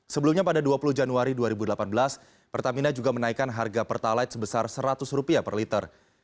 sebelumnya pada dua puluh januari dua ribu delapan belas pertamina juga menaikkan harga pertalite sebesar seratus rupiah per liter